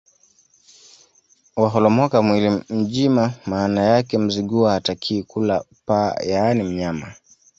Waholomoka mwili mjima Maana yake Mzigua hatakiwi kula paa yaani mnyama